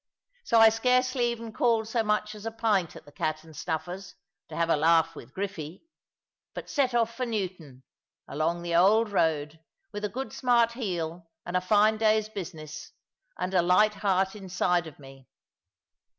So I scarcely even called so much as a pint at the "Cat and Snuffers," to have a laugh with Griffy; but set off for Newton, along the old road, with a good smart heel, and a fine day's business, and a light heart inside of me.